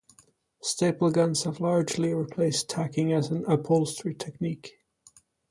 Staple guns have largely replaced tacking as an upholstery technique.